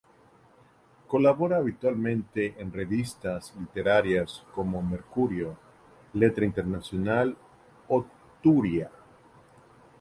Colabora habitualmente en revistas literarias como Mercurio, Letra Internacional o Turia.